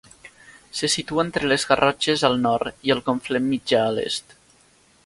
Se situa entre les Garrotxes al nord i el Conflent Mitjà a l'est.